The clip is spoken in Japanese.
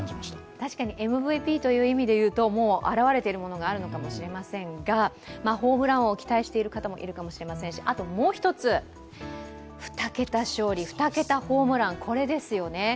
確かにＭＶＰという意味でいうと、もう現れているのかもしれませんが、ホームラン王期待している方もいるかもしれませんしあともう一つ、２桁勝利、２桁ホームラン、これですよね。